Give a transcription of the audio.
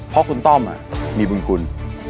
เพราะคุณต้อมมีบุญคุณ